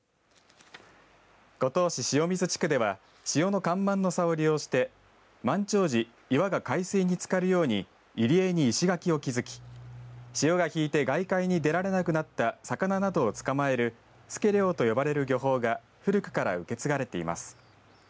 五島市塩水地区では潮の干満の差を利用して満潮時、岩が海水につかるように家に石垣を築き潮が引いて外海に出られなくなった魚などをつかまえるスケ漁と呼ばれる漁法が古くから受け継がれています。